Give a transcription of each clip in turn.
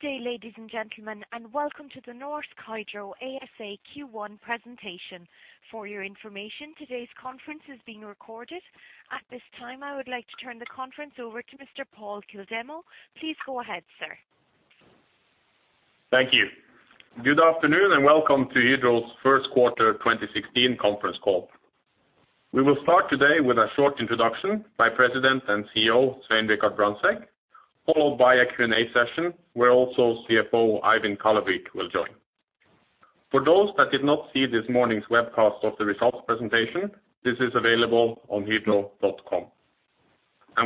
Good day, ladies and gentlemen, and welcome to the Norsk Hydro ASA Q1 presentation. For your information, today's conference is being recorded. At this time, I would like to turn the conference over to Mr. Pål Kildemo. Please go ahead, sir. Thank you. Good afternoon, and welcome to Hydro's first quarter 2016 conference call. We will start today with a short introduction by President and CEO, Svein Richard Brandtzæg, followed by a Q&A session where also CFO Eivind Kallevik will join. For those that did not see this morning's webcast of the results presentation, this is available on hydro.com.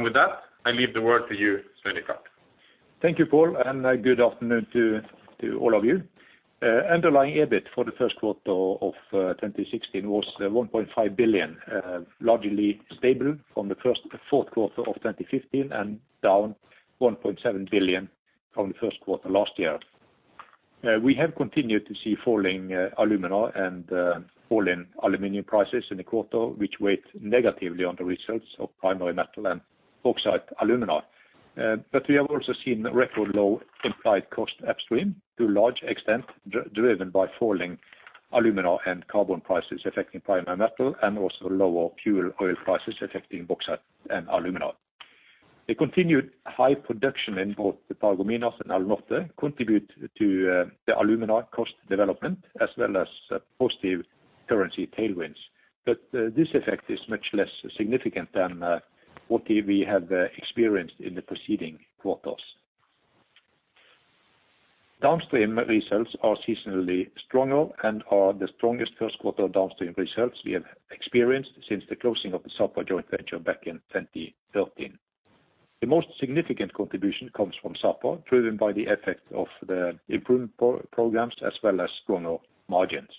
With that, I leave the word to you, Svein Richard. Thank you, Pål, and good afternoon to all of you. Underlying EBIT for the first quarter of 2016 was 1.5 billion, largely stable from the fourth quarter of 2015 and down 1.7 billion from the first quarter last year. We have continued to see falling alumina and falling aluminum prices in the quarter, which weighed negatively on the results of Primary Metal and Bauxite & Alumina. But we have also seen record low implied cost upstream to a large extent, driven by falling alumina and carbon prices affecting Primary Metal and also lower fuel oil prices affecting Bauxite & Alumina. The continued high production in both Paragominas and Alunorte contribute to the alumina cost development as well as positive currency tailwinds. This effect is much less significant than what we have experienced in the preceding quarters. Downstream results are seasonally stronger and are the strongest first quarter downstream results we have experienced since the closing of the Sapa joint venture back in 2013. The most significant contribution comes from Sapa, driven by the effect of the improvement programs as well as stronger margins.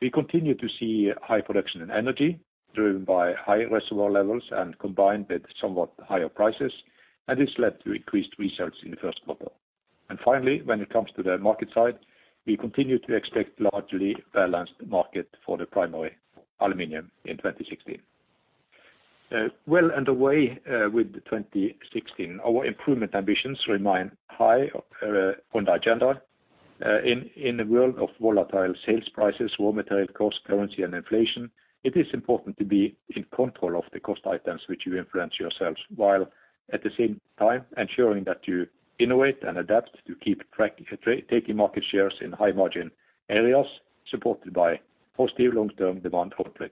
We continue to see high production in energy driven by high reservoir levels and combined with somewhat higher prices, and this led to increased results in the first quarter. Finally, when it comes to the market side, we continue to expect largely balanced market for the primary aluminum in 2016. Well underway with the 2016, our improvement ambitions remain high on the agenda. In the world of volatile sales prices, raw material cost, currency, and inflation, it is important to be in control of the cost items which you influence yourselves, while at the same time ensuring that you innovate and adapt to taking market shares in high margin areas supported by positive long-term demand outlook.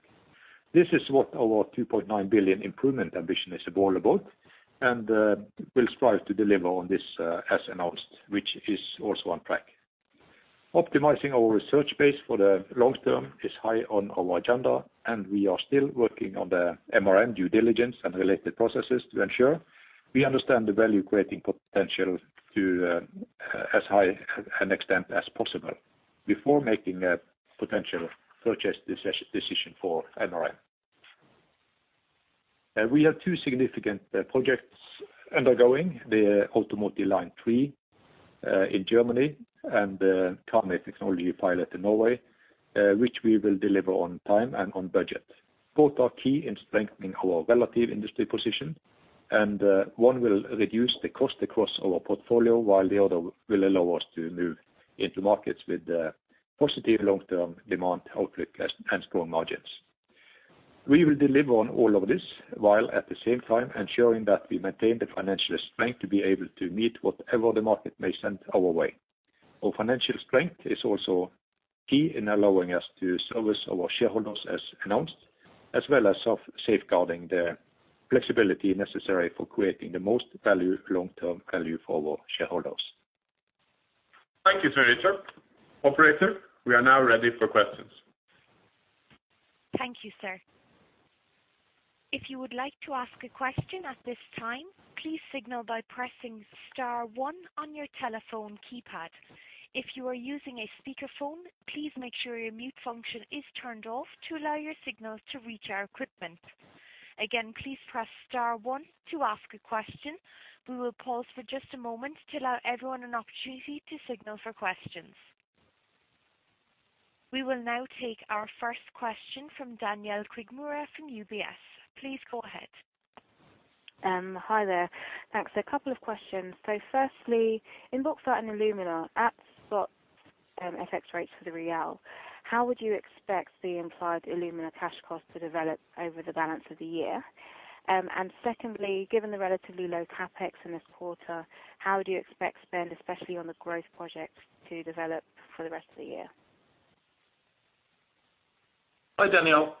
This is what our 2.9 billion improvement ambition is all about, and we'll strive to deliver on this, as announced, which is also on track. Optimizing our research base for the long term is high on our agenda, and we are still working on the MRN due diligence and related processes to ensure we understand the value-creating potential to, as high an extent as possible before making a potential purchase decision for MRN. We have two significant projects undergoing, the Automotive Line 3 in Germany and the Karmøy technology pilot in Norway, which we will deliver on time and on budget. Both are key in strengthening our relative industry position, and one will reduce the cost across our portfolio while the other will allow us to move into markets with positive long-term demand outlook and strong margins. We will deliver on all of this while at the same time ensuring that we maintain the financial strength to be able to meet whatever the market may send our way. Our financial strength is also key in allowing us to service our shareholders as announced, as well as safeguarding the flexibility necessary for creating the most value, long-term value for our shareholders. Thank you, Svein Richard. Operator, we are now ready for questions. Thank you, sir. If you would like to ask a question at this time, please signal by pressing star one on your telephone keypad. If you are using a speakerphone, please make sure your mute function is turned off to allow your signal to reach our equipment. Again, please press star one to ask a question. We will pause for just a moment to allow everyone an opportunity to signal for questions. We will now take our first question from Daniela Costa from UBS. Please go ahead. Hi there. Thanks. A couple of questions. Firstly, in Bauxite and Alumina, at spot FX rates for the real, how would you expect the implied alumina cash cost to develop over the balance of the year? Secondly, given the relatively low CapEx in this quarter, how do you expect spend, especially on the growth projects, to develop for the rest of the year? Hi, Daniela.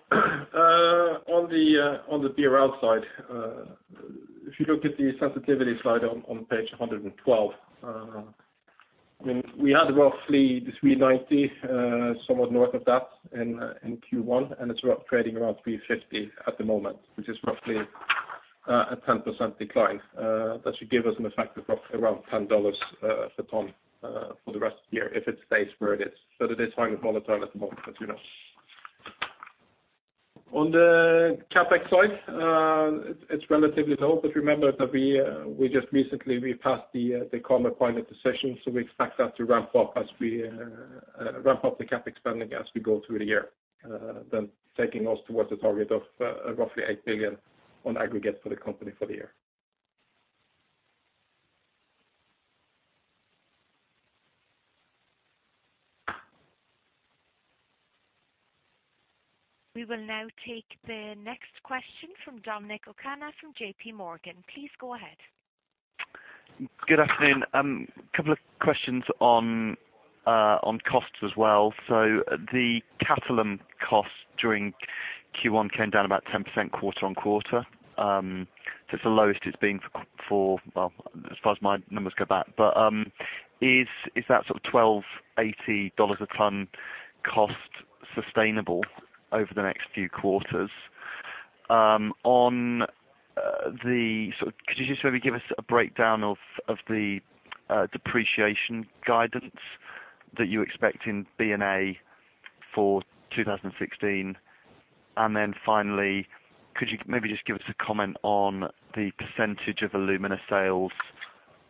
On the BRL side, if you look at the sensitivity slide on page 112, I mean, we had roughly 3.90, somewhat north of that in Q1, and it's roughly trading around 3.50 at the moment, which is roughly a 10% decline. That should give us an effect of roughly around $10 per ton for the rest of the year if it stays where it is. It is highly volatile at the moment as you know. On the CapEx side, it's relatively low, but remember that we just recently passed the Karmøy pilot decision, so we expect that to ramp up as we ramp up the CapEx spending as we go through the year, then taking us towards the target of roughly 8 billion on aggregate for the company for the year. We will now take the next question from Dominic O'Kane from JPMorgan. Please go ahead. Good afternoon. Couple of questions on costs as well. So the Qatalum costs during Q1 came down about 10% quarter-on-quarter. It's the lowest it's been for, well, as far as my numbers go back. Is that sort of $1,280 a ton cost sustainable over the next few quarters? Could you just maybe give us a breakdown of the depreciation guidance that you expect in B&A for 2016? Then finally, could you maybe just give us a comment on the percentage of alumina sales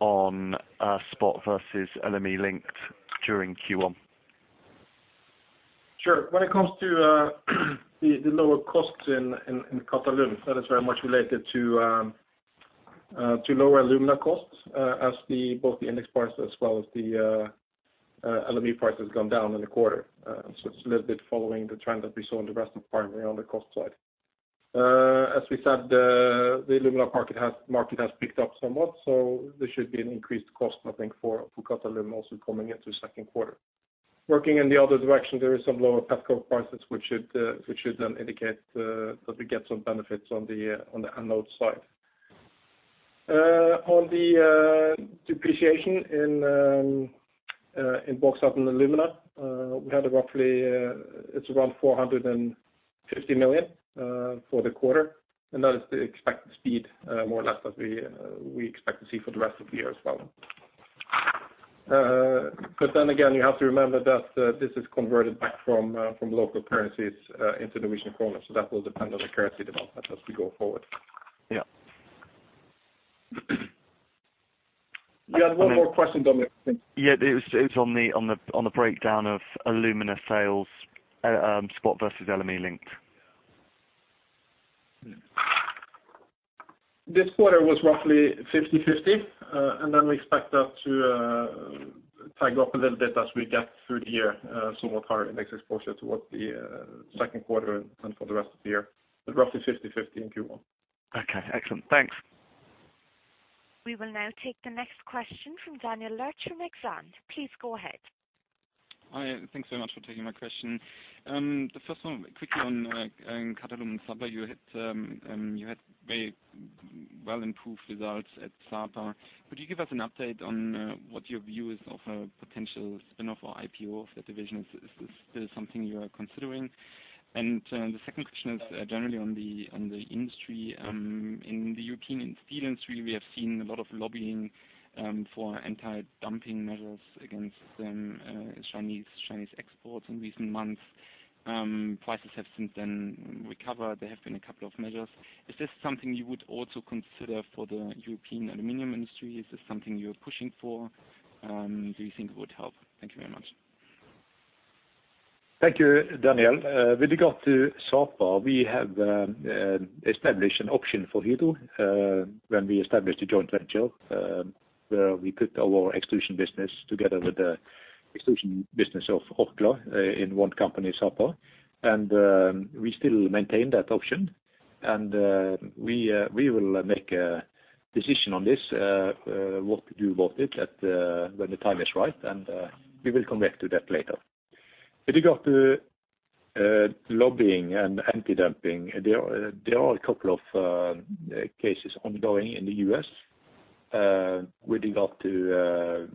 on spot versus LME linked during Q1? Sure. When it comes to the lower costs in Qatalum, that is very much related to lower alumina costs, as both the index price as well as the LME price has gone down in the quarter. It's a little bit following the trend that we saw in the rest of the primary on the cost side. As we said, the alumina market has picked up somewhat, so there should be an increased cost I think for Qatalum also coming into second quarter. Working in the other direction, there is some lower pet coke prices which should then indicate that we get some benefits on the anode side. On the depreciation in Alunorte alumina, we had a roughly. It's around 450 million for the quarter, and that is the expected speed, more or less that we expect to see for the rest of the year as well. You have to remember that this is converted back from local currencies into Norwegian kroner, so that will depend on the currency development as we go forward. Yeah. You had one more question, Dominic, I think. Yeah, it was on the breakdown of alumina sales, spot versus LME linked. This quarter was roughly 50/50. We expect that to tick up a little bit as we get through the year, somewhat higher index exposure towards the second quarter and for the rest of the year, but roughly 50/50 in Q1. Okay. Excellent. Thanks. We will now take the next question from Daniel Lurch from Exane. Please go ahead. Hi, thanks very much for taking my question. The first one quickly on Qatalum, Sapa, you had very well improved results at Sapa. Could you give us an update on what your view is of a potential spin-off or IPO of the division? Is this something you are considering? The second question is generally on the industry. In the European steel industry, we have seen a lot of lobbying for anti-dumping measures against Chinese exports in recent months. Prices have since then recovered. There have been a couple of measures. Is this something you would also consider for the European aluminum industry? Is this something you're pushing for? Do you think it would help? Thank you very much. Thank you, Daniel Lurch. With regard to Sapa, we have established an option for Hydro when we established a joint venture where we put our extrusion business together with the extrusion business of Orkla in one company, Sapa. We still maintain that option. We will make a decision on this what to do about it when the time is right. We will come back to that later. With regard to lobbying and anti-dumping, there are a couple of cases ongoing in the U.S. with regard to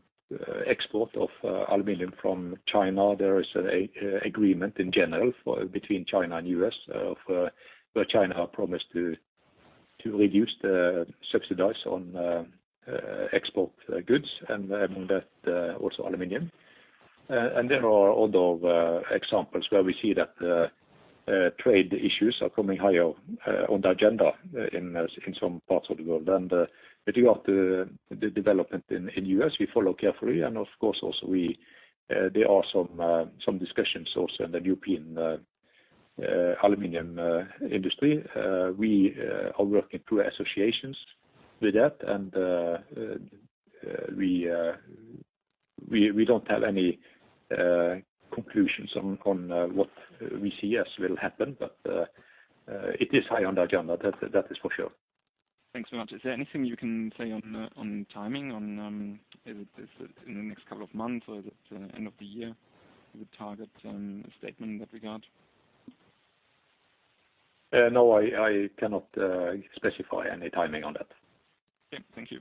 export of aluminum from China. There is a agreement in general for between China and U.S. of where China promised to reduce the subsidies on export goods and that also aluminum. There are other examples where we see that trade issues are coming higher on the agenda in some parts of the world. With regard to the development in U.S., we follow carefully and of course also there are some discussions also in the European aluminum industry. We are working through associations with that. We don't have any conclusions on what we see as will happen. It is high on the agenda. That is for sure. Thanks very much. Is there anything you can say on timing, is it in the next couple of months or is it end of the year you would target a statement in that regard? No. I cannot specify any timing on that. Okay. Thank you.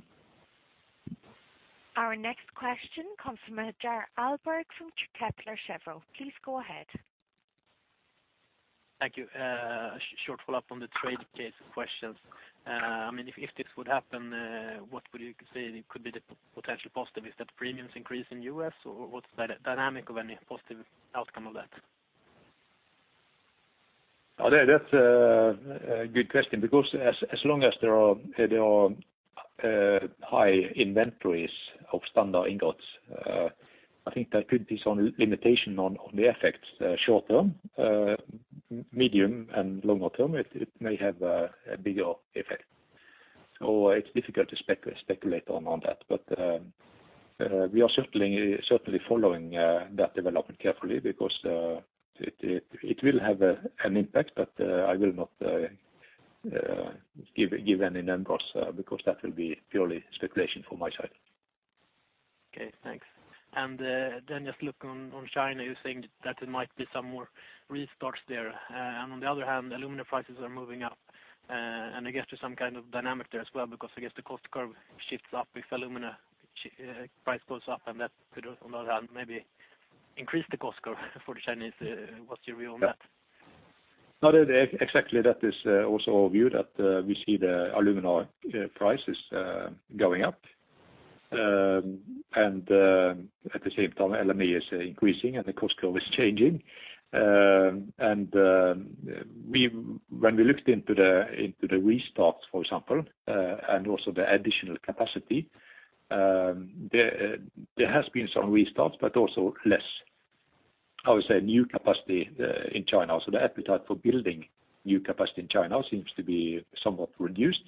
Our next question comes from Hjalmar Ahlberg from Kepler Cheuvreux. Please go ahead. Thank you. Short follow-up on the trade case questions. I mean, if this would happen, what would you say could be the potential positive? Is that premiums increase in U.S. or what's the dynamic of any positive outcome of that? Oh, yeah, that's a good question because as long as there are high inventories of standard ingots, I think that could be some limitation on the effects short term. Medium and longer term, it may have a bigger effect. It's difficult to speculate on that. We are certainly following that development carefully because it will have an impact, but I will not give any numbers because that will be purely speculation from my side. Okay, thanks. Just look on China, you're saying that there might be some more restarts there. On the other hand, alumina prices are moving up. I guess there's some kind of dynamic there as well because I guess the cost curve shifts up if alumina price goes up, and that could on the other hand maybe increase the cost curve for the Chinese. What's your view on that? Yeah. No, exactly, that is also our view that we see the alumina prices going up. At the same time, LME is increasing and the cost curve is changing. When we looked into the restarts, for example, and also the additional capacity, there has been some restarts but also less, I would say, new capacity in China. The appetite for building new capacity in China seems to be somewhat reduced.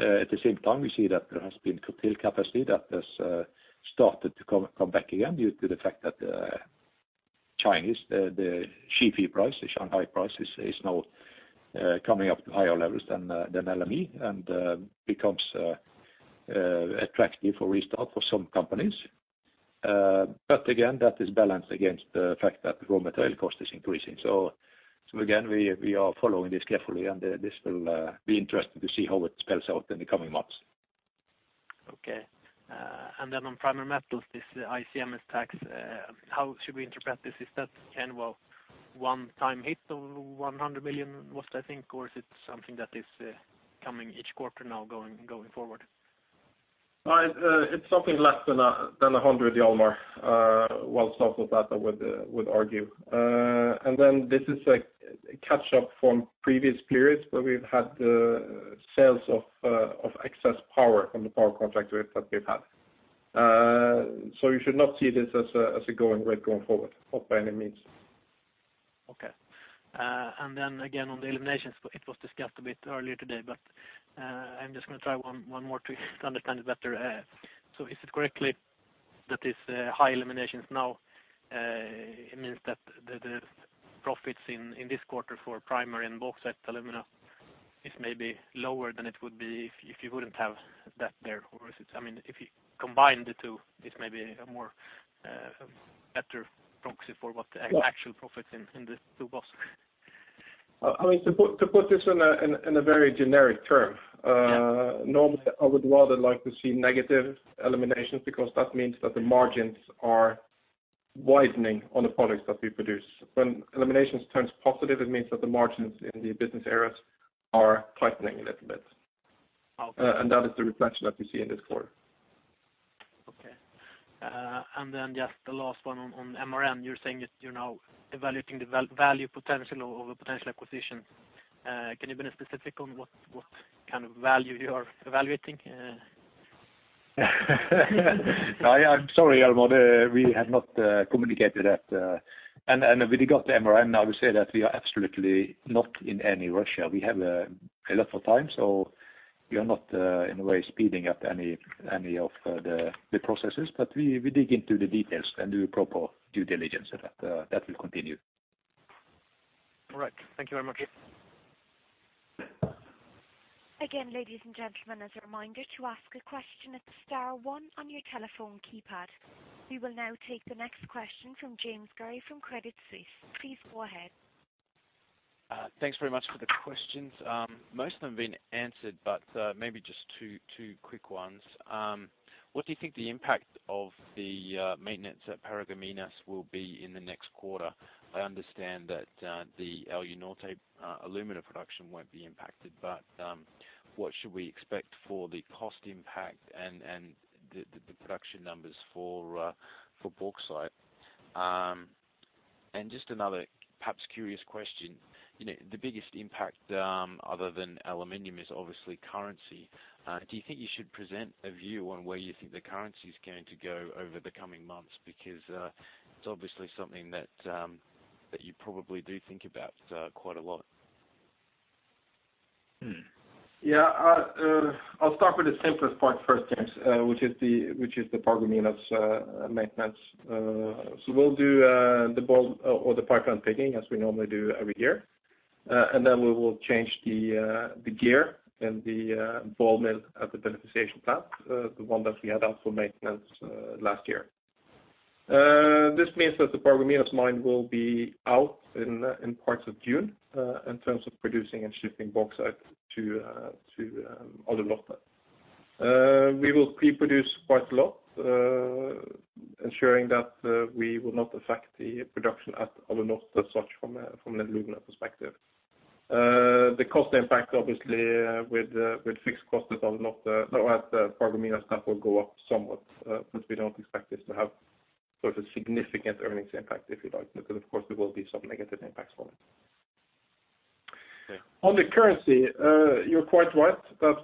At the same time, we see that there has been curtailed capacity that has started to come back again due to the fact that the SHFE price, the Shanghai price is now coming up to higher levels than LME and becomes attractive for restart for some companies. Again, that is balanced against the fact that the raw material cost is increasing. Again, we are following this carefully, and this will be interesting to see how it spells out in the coming months. On primary metals, this ICMS tax, how should we interpret this? Is that kind of a one-time hit of 100 million was it, I think, or is it something that is coming each quarter now going forward? It's something less than 100, Hjalmar. Well, south of that I would argue. This is a catch-up from previous periods where we've had sales of excess power from the power contract that we've had. You should not see this as a going rate going forward, not by any means. Okay. Then again, on the eliminations, it was discussed a bit earlier today, but I'm just gonna try one more twist to understand it better. Is it correct that these high eliminations now it means that the profits in this quarter for primary and Bauxite & Alumina is maybe lower than it would be if you wouldn't have that there? Or is it I mean, if you combine the two, this may be a more better proxy for what the Yeah. actual profits in the two boxes. I mean to put this in a very generic term. Yeah. Normally I would rather like to see negative eliminations because that means that the margins are widening on the products that we produce. When eliminations turns positive, it means that the margins in the business areas are tightening a little bit. Okay. That is the reflection that we see in this quarter. Okay. Just the last one on MRN. You're saying that you're now evaluating the value potential of a potential acquisition. Can you be specific on what kind of value you are evaluating? I'm sorry, Hjalmar. We have not communicated that. Regarding MRN, I would say that we are absolutely not in any rush here. We have a lot of time, so we are not in a way speeding up any of the processes. We dig into the details and do proper due diligence, and that will continue. All right. Thank you very much. Again, ladies and gentlemen, as a reminder, to ask a question, it's star one on your telephone keypad. We will now take the next question from James Gurry from Credit Suisse. Please go ahead. Thanks very much for the questions. Most of them have been answered, but maybe just two quick ones. What do you think the impact of the maintenance at Paragominas will be in the next quarter? I understand that the Alunorte alumina production won't be impacted, but what should we expect for the cost impact and the production numbers for bauxite? Just another perhaps curious question. You know, the biggest impact other than aluminum is obviously currency. Do you think you should present a view on where you think the currency's going to go over the coming months? Because it's obviously something that you probably do think about quite a lot. Hmm. Yeah. I'll start with the simplest part first, James, which is the Paragominas maintenance. We'll do the ball mill and the primary crushing as we normally do every year. We will change the gear in the ball mill at the beneficiation plant, the one that we had out for maintenance last year. This means that the Paragominas mine will be out in parts of June in terms of producing and shipping bauxite to Alunorte. We will pre-produce quite a lot, ensuring that we will not affect the production at Alunorte as such from an alumina perspective. The cost impact obviously with fixed cost at Alunorte, no, at the Paragominas plant will go up somewhat. We don't expect this to have sort of significant earnings impact, if you like. Of course, there will be some negative impacts from it. Okay. On the currency, you're quite right that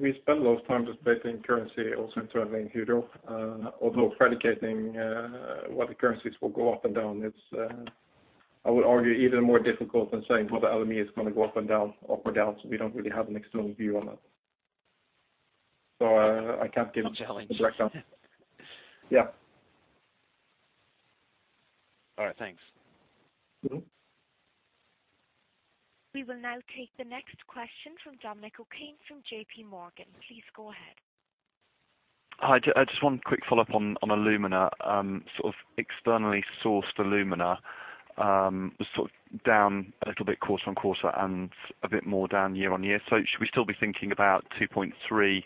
we spend a lot of time debating currency also internally in Hydro. Although predicting whether currencies will go up and down, it's, I would argue, even more difficult than saying whether LME is gonna go up and down, up or down. We don't really have an external view on that. I can't give- A challenge. Yeah. All right, thanks. Mm-hmm. We will now take the next question from Dominic O'Kane from JP Morgan. Please go ahead. Hi, just one quick follow-up on alumina. Sort of externally sourced alumina was sort of down a little bit quarter-over-quarter and a bit more down year-over-year. Should we still be thinking about 2.3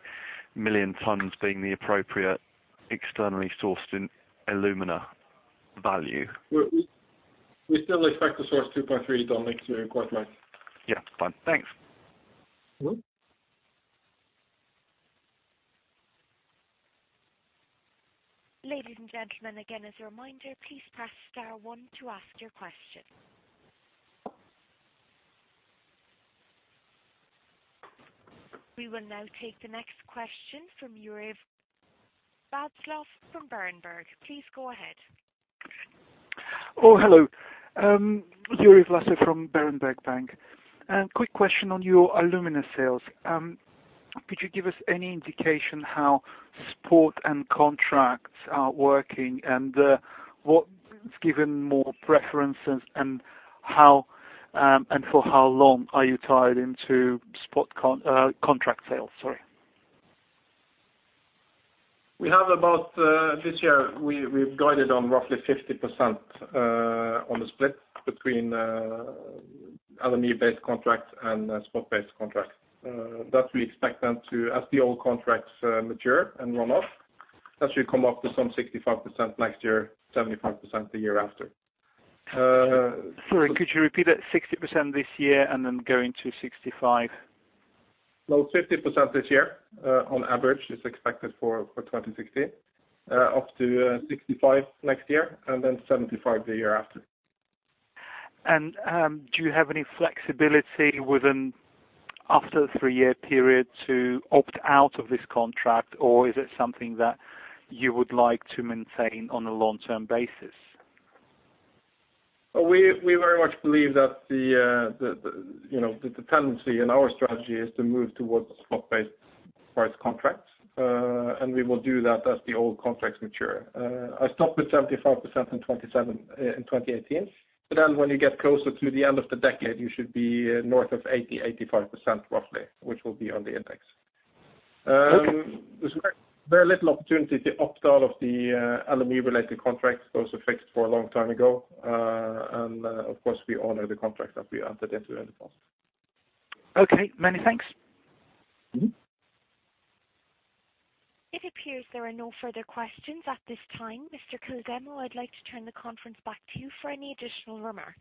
million tons being the appropriate externally sourced alumina volume? We still expect to source 2.3, Dominic. You're quite right. Yeah. Fine. Thanks. Mm-hmm. Ladies and gentlemen, again, as a reminder, please press star one to ask your question. We will now take the next question from Juraj Vakulko from Berenberg. Please go ahead. Hello. Juraj Vakulko from Berenberg Bank. Quick question on your alumina sales. Could you give us any indication how spot and contracts are working and what's given more preference and how and for how long are you tied into spot contract sales, sorry? We have about this year, we've guided on roughly 50% on the split between LME-based contracts and spot-based contracts. As the old contracts mature and run off, that should come up to some 65% next year, 75% the year after. Sorry, could you repeat that? 60% this year and then going to 65%. No, 50% this year, on average is expected for 2016, up to 65% next year and then 75% the year after. Do you have any flexibility after the three-year period to opt out of this contract, or is it something that you would like to maintain on a long-term basis? We very much believe that you know the tendency in our strategy is to move towards spot-based price contracts. We will do that as the old contracts mature. I stopped at 75% in 2018. Then when you get closer to the end of the decade, you should be north of 80-85% roughly, which will be on the index. There's very little opportunity to opt out of the LME related contracts. Those were fixed a long time ago. Of course, we honor the contracts that we entered into in the past. Okay, many thanks. Mm-hmm. It appears there are no further questions at this time. Mr. Kildemo, I'd like to turn the conference back to you for any additional remarks.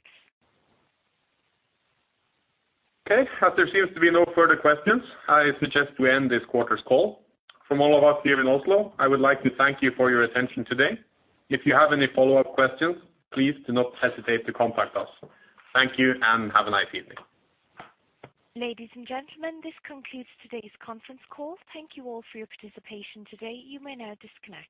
Okay. As there seems to be no further questions, I suggest we end this quarter's call. From all of us here in Oslo, I would like to thank you for your attention today. If you have any follow-up questions, please do not hesitate to contact us. Thank you, and have a nice evening. Ladies and gentlemen, this concludes today's conference call. Thank you all for your participation today. You may now disconnect.